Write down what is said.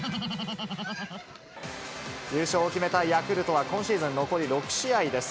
優勝を決めたヤクルトは、今シーズン残り６試合です。